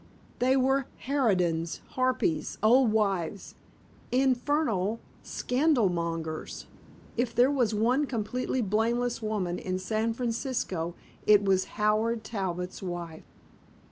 They were harridans, harpies, old wives, infernal scandalmongers. If there was one completely blameless woman in San Francisco it was Howard Talbot's wife.